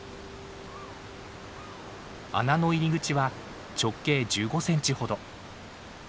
穴の入り口は直径１５センチほど。